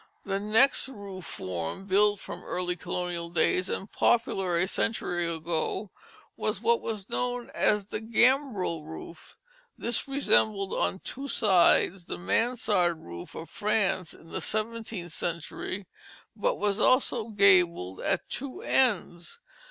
The next roof form, built from early colonial days, and popular a century ago, was what was known as the gambrel roof. This resembled, on two sides, the mansard roof of France in the seventeenth century, but was also gabled at two ends.